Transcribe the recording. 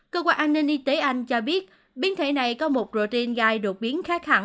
cơ quan an ninh y tế anh cho biết biến thể này có một protein gai đột biến khá khẳng